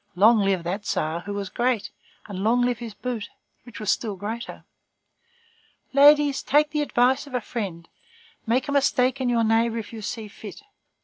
Long live that Tzar who was great, and long live his boot, which was still greater! Ladies, take the advice of a friend; make a mistake in your neighbor if you see fit.